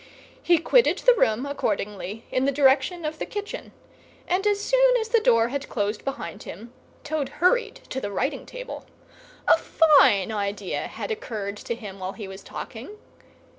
He quitted the room, accordingly, in the direction of the kitchen, and as soon as the door had closed behind him, Toad hurried to the writing table. A fine idea had occurred to him while he was talking.